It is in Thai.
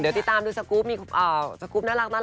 เดี๋ยวติดตามด้วยสกู๊ปสกู๊ปน่ารักนะคะ